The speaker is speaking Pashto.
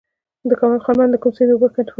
د کمال خان بند د کوم سیند اوبه کنټرولوي؟